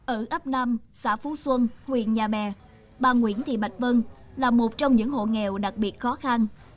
ở ấp nam xã phú xuân huyện nhà bè bà nguyễn thị bạch vân là một trong những hộ nghèo đặc biệt khó khăn